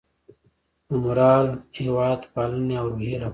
د مورال، هیواد پالنې او روحیې لپاره